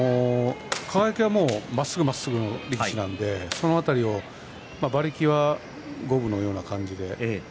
まっすぐまっすぐの力士なので、輝は馬力は五分のような感じですね。